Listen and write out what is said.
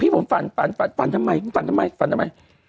พี่ผมฝั่งทำไม